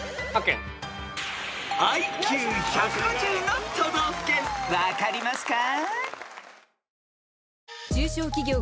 ［ＩＱ１５０の都道府県分かりますか？］